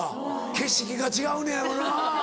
景色が違うねやろな。